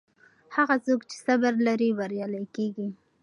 هغه څوک چې صبر لري بریالی کیږي.